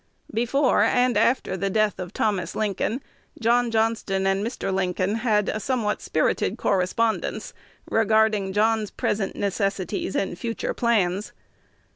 Before and after the death of Thomas Lincoln, John Johnston and Mr. Lincoln had a somewhat spirited correspondence regarding John's present necessities and future plans.